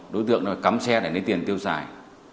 đối tượng nó cấm xe để lấy tiền tiêu xài